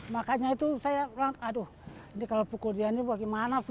makanya itu saya bilang aduh ini kalau pukul dia ini bagaimana